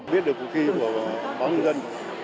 biết được một khi của báo nhân dân